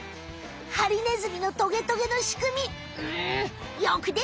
ハリネズミのトゲトゲのしくみうんよくできてます！